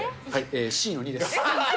Ｃの２です。